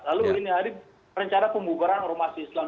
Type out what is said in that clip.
lalu hari ini perencana pembubaran orang masih islam